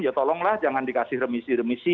ya tolonglah jangan dikasih remisi remisi